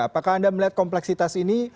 apakah anda melihat kompleksitas ini